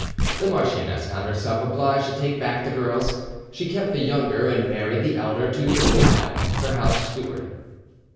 The marchioness found herself obliged to take back the girls; she kept the younger, and married the elder to Delisle, her house steward.